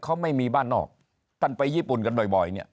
เขาไม่มีบ้านนอกท่านไปญี่ปุ่นกันบ่อยเนี่ย